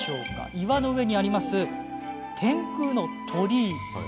岩の上にある天空の鳥居。